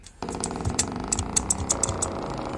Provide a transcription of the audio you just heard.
څنګه یو زیارکښ سړی تر لایق کس ژر مخکي کیږي؟